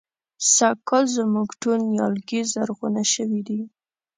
سږکال زموږ ټول نيالګي زرغونه شوي دي.